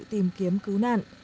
tìm kiếm cứu nạn